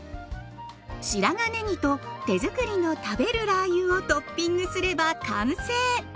白髪ねぎと手づくりの食べるラー油をトッピングすれば完成。